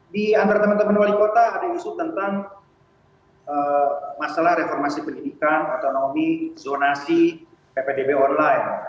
di antara teman teman wali kota ada isu tentang masalah reformasi pendidikan otonomi zonasi ppdb online